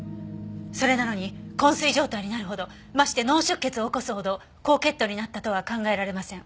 それなのに昏睡状態になるほどまして脳出血を起こすほど高血糖になったとは考えられません。